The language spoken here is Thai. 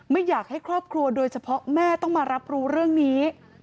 ไม่อยากให้ครอบครัวโดยเฉพาะแม่ต้องมารับรู้เรื่องนี้